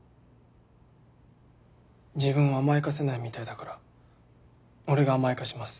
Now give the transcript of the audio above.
自分を甘やかせないみたいだから俺が甘やかします。